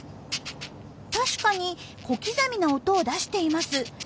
確かに小刻みな音を出しています。